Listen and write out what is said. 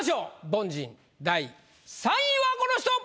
凡人第３位はこの人！